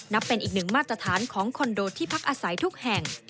เป็นอีกหนึ่งมาตรฐานของคอนโดที่พักอาศัยทุกแห่ง